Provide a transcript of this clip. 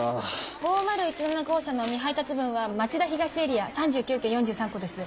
５０１７号車の未配達分は町田東エリア３９軒４３個です。